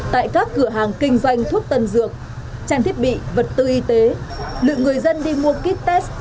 tại các cửa hàng kinh doanh thuốc tân dược trang thiết bị vật tư y tế lượng người dân đi mua kit test